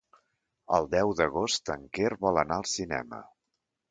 El deu d'agost en Quer vol anar al cinema.